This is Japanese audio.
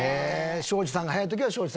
庄司さんが早い時は庄司さん？